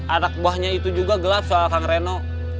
anak buahnya itu juga gelap sama kang reno